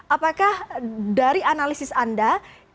apakah dari analisis anda